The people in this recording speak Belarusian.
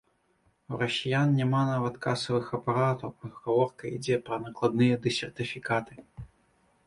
У расіян няма нават касавых апаратаў, а гаворка ідзе пра накладныя ды сертыфікаты!